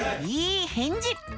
いい返事！